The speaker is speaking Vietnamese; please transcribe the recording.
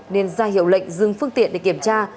nên ra hiệu lệnh dừng phương tiện để kiểm tra